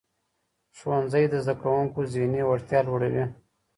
ښوونځی د زدهکوونکو ذهني وړتیا لوړوي.